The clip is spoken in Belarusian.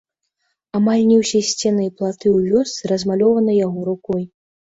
Амаль не ўсе сцены і платы ў вёсцы размалёваны яго рукой.